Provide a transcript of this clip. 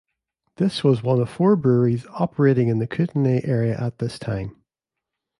This was one of four breweries operating in the Kootenay area at this time.